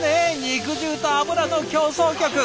肉汁と油の協奏曲！